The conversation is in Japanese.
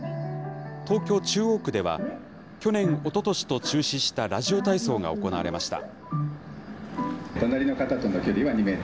東京・中央区では、去年、おととしと中止したラジオ体操が行われました。